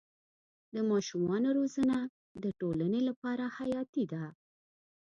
د ماشومانو روزنه د ټولنې لپاره حیاتي ده.